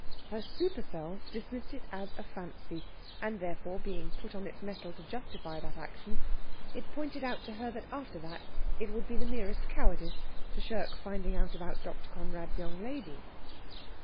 Her superself dismissed it as a fancy; and, therefore, being put on its mettle to justify that action, it pointed out to her that, after that, it would be the merest cowardice to shirk finding out about Dr. Conrad's young lady.